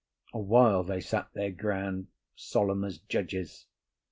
Awhile they sat their ground, solemn as judges.